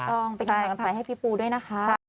ต้องเป็นกำลังใจให้พี่ปูด้วยนะคะ